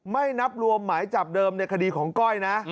ไม่นับรวมหมายจับเดิมในคดีของก้อยนะ